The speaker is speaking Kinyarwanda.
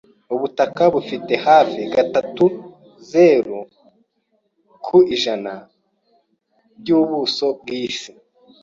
Ubutaka bufite hafi gatatuzeru ku ijana by'ubuso bw'isi.